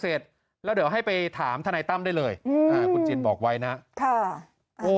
เศสแล้วเดี๋ยวให้ไปถามทันายตั้มได้เลยคุณจินบอกไว้นะโอ้